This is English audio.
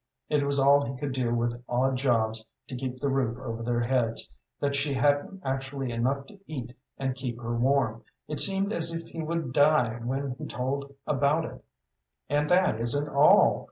It was all he could do with odd jobs to keep the roof over their heads, that she hadn't actually enough to eat and keep her warm. It seemed as if he would die when he told about it. And that isn't all.